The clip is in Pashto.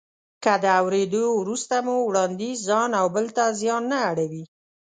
که د اورېدو وروسته مو وړانديز ځانته او بل ته زیان نه اړوي.